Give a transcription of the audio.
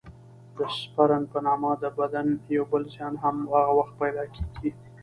د سپرن په نامه د بند یو بل زیان هغه وخت پیدا کېږي.